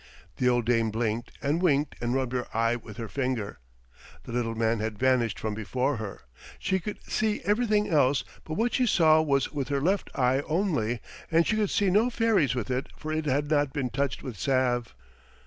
The old dame blinked and winked and rubbed her eye with her fingers. The little man had vanished from before her. She could see everything else, but what she saw was with her left eye only, and she could see no fairies with it for it had not been touched with salve.